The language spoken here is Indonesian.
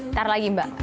ntar lagi mbak